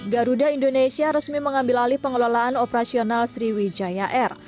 garuda indonesia resmi mengambil alih pengelolaan operasional sriwijaya air